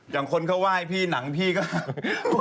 อย่างคนเขาว่ายหนังพี่ก็